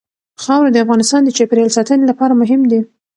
خاوره د افغانستان د چاپیریال ساتنې لپاره مهم دي.